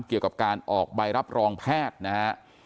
เกี่ยวกับการออกใบรับรองแพทย์นะฮะ